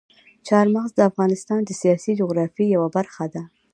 چار مغز د افغانستان د سیاسي جغرافیې یوه برخه ده.